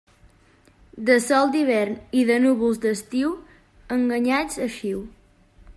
De sol d'hivern i de núvols d'estiu, enganyats eixiu.